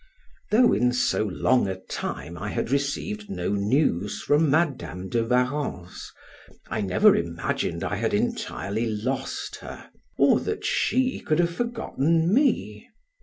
Though in so long a time I had received no news from Madam de Warrens, I never imagined I had entirely lost her, or that she could have forgotten me.